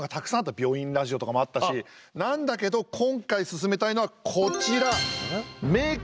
「病院ラジオ」とかもあったしなんだけど今回薦めたいのはこちら。